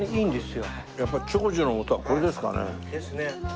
やっぱ長寿の元はこれですかね。ですね。